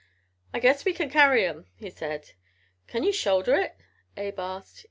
"I guess we can carry 'em," he said. "Can ye shoulder it?" Abe asked.